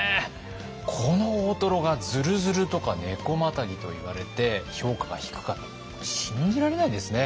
この大トロが「ずるずる」とか「ねこまたぎ」といわれて評価が低かった信じられないですね。